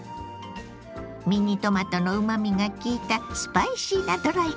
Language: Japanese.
ミニトマトのうまみが効いたスパイシーなドライカレー。